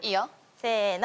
せの。